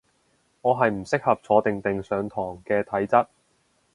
我係唔適合坐定定上堂嘅體質